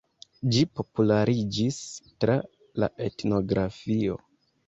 Ĝi populariĝis tra la etnografio.